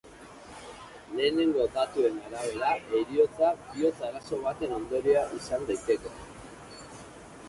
Lehenego datuen arabera, heriotza bihotz arazo baten ondorioa izan daiteke.